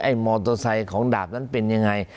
มอเตอร์ไซค์ของดาบนั้นเป็นยังไง